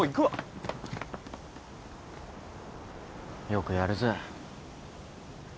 よくやるぜ。